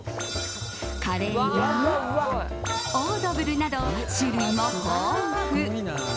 カレーやオードブルなど種類も豊富。